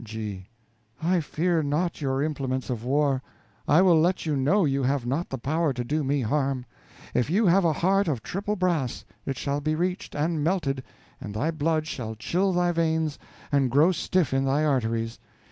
G. I fear not your implements of war; I will let you know you have not the power to do me harm. If you have a heart of triple brass, it shall be reached and melted, and thy blood shall chill thy veins and grow stiff in thy arteries.